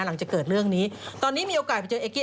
หลังจากเกิดเรื่องนี้ตอนนี้มีโอกาสไปเจอเอกกี